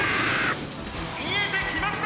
「見えてきました